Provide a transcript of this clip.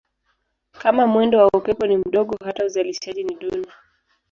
Kama mwendo wa upepo ni mdogo hata uzalishaji ni duni.